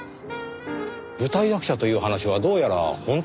舞台役者という話はどうやら本当のようですね。